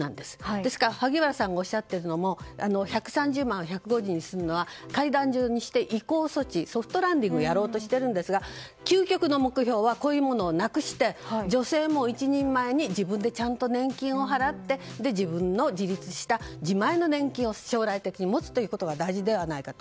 ですから萩原さんがおっしゃっているのも１３０万円を１５０にするのは階段にして移行措置、ソフトランディングをやろうとしているんですが究極の目標はなくして女性も一人前に自分でちゃんと年金を払って自分の自立した自前の年金を将来的に持つのが大事ではないかと。